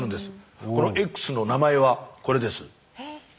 このＸの名前はこれです。